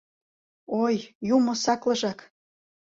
Ой, юмо саклыжак!